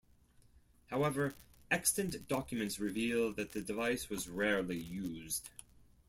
However, extant documents reveal that the device was rarely used.